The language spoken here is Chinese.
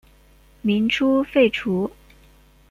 民初废除。